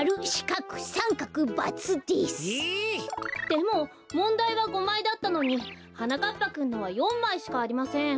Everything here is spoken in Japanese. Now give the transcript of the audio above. でももんだいは５まいだったのにはなかっぱくんのは４まいしかありません。